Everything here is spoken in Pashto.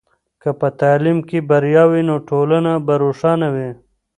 که په تعلیم کې بریا وي، نو ټولنه به روښانه وي.